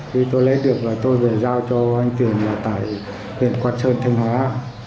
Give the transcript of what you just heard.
thì tôi lấy được rồi tôi về giao cho anh tuyền tại huyện quang sơn thanh hóa